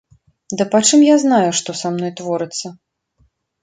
Ды пачым я знаю, што са мною творыцца?